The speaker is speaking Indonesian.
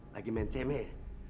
lagi main cme ya